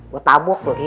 gue tabuk loh ki